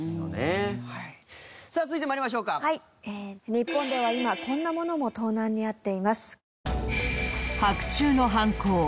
日本では今こんなものも盗難に遭っています。